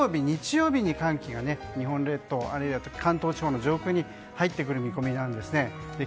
特に土曜日、日曜日に寒気が日本列島あるいは関東地方の上空に入ってくる見込みです。